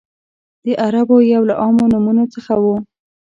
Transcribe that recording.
د عربو یو له عامو نومونو څخه و.